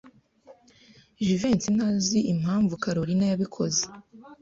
Jivency ntazi impamvu Kalorina yabikoze.